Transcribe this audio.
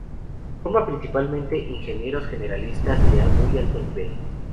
Forma principalmente ingenieros generalistas de muy alto nivel.